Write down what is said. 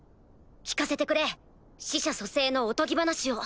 聞かせてくれ死者蘇生のおとぎ話を。